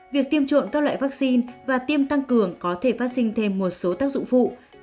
việc tiêm trộm các loại vaccine và tiêm tăng cường có thể phát sinh thêm một số tác dụng phụ